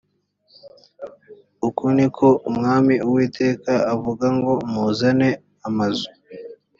uku ni ko umwami uwiteka avuga ngo muzane amazu